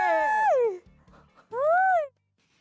เย้